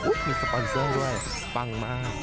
มีสปอนเซอร์ด้วยปังมาก